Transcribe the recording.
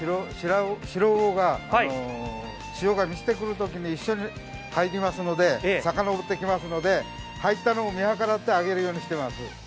シロウオが潮が満ちてくるときに一緒に入りますので魚も入ってきますので入ったのを見計らって上げるようにしています。